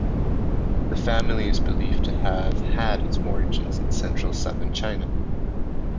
The family is believed to have had its origins in central-southern China.